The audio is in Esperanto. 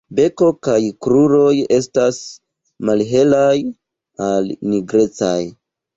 Beko kaj kruroj estas malhelaj al nigrecaj.